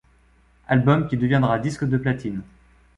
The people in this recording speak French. Album qui deviendra disque de platine.